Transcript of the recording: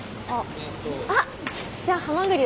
あっじゃあハマグリは？